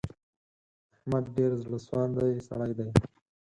احمد ډېر زړه سواندی سړی دی.